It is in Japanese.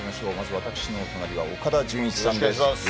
私の隣は岡田准一さんです。